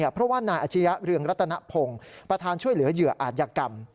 เพราะว่านายอาชียะเรืองรัตนพงศ์ประธานช่วยเหลือเหยื่ออาจยกรรม